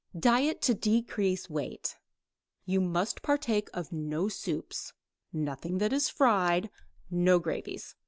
DIET TO DECREASE WEIGHT You must partake of no soups, nothing that is fried, no gravies.